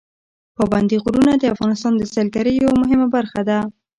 پابندي غرونه د افغانستان د سیلګرۍ یوه مهمه برخه ده.